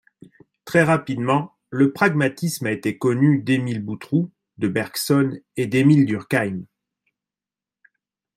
Très rapidement, le pragmatisme a été connu d'Émile Boutroux, de Bergson et d'Émile Durkheim.